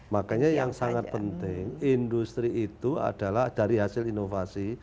makanya yang sangat penting industri itu adalah dari hasil inovasi